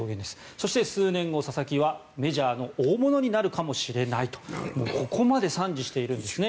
そして、数年後、佐々木はメジャーの大物になるかもしれないとここまで賛辞しているんですね。